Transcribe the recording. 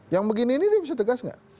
yang begini ini dia bisa tegas nggak